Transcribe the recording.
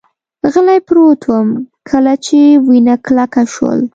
غلی پروت ووم، کله چې وینه کلکه شول.